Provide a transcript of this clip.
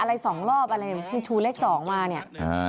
อะไรสองรอบอะไรที่ชูเลขสองมาเนี่ย